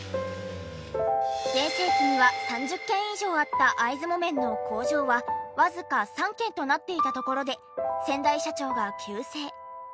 全盛期には３０軒以上あった会津木綿の工場はわずか３軒となっていたところで先代社長が急逝。